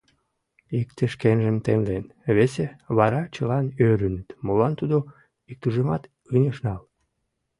Икте шкенжым темлен, весе; вара чылан ӧрыныт, молан тудо иктыжымат ынеж нал.